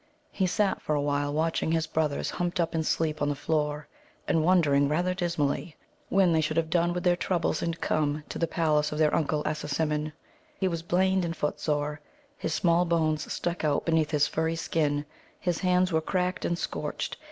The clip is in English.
He sat for awhile watching his brothers humped up in sleep on the floor, and wondering rather dismally when they should have done with their troubles and come to the palace of their Uncle Assasimmon. He was blained and footsore; his small bones stuck out beneath his furry skin, his hands were cracked and scorched.